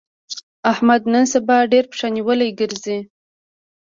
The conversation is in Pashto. احمد نن سبا ډېر پښه نيولی ګرځي.